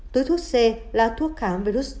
túi thuốc c là thuốc khám virus